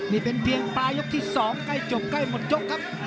นี่เป็นเพียงปลายกที่๒ใกล้จบใกล้หมดยกครับ